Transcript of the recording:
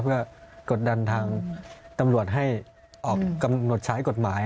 เพื่อกดดันทางตำรวจให้ออกกำหนดใช้กฎหมาย